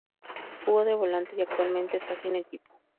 Jugó de volante y actualmente está sin equipo.